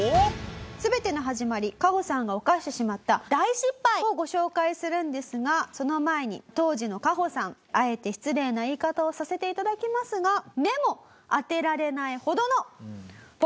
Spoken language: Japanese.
全ての始まりカホさんが犯してしまった大失敗をご紹介するんですがその前に当時のカホさんあえて失礼な言い方をさせて頂きますが目も当てられないほどの。